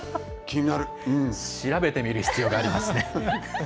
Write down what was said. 調べてみる必要がありますね。